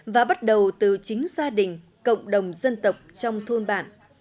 và bắt đầu từ chính gia đình cộng đồng dân tộc trong thôn bản